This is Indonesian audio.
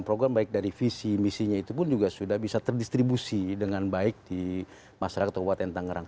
program baik dari visi misinya itu pun juga sudah bisa terdistribusi dengan baik di masyarakat kabupaten tangerang